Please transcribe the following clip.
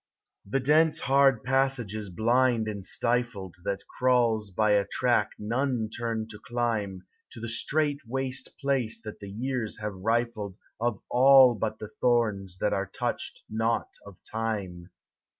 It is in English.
The dense, hard passage is blind and stifled That crawls by a track none turn to climb To the strait waste place that the years have rifled Of all but the thorns that are touched not of Time.